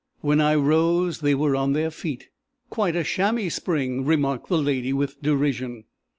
When I rose, they were on their feet. "'Quite a chamois spring!' remarked the lady with derision.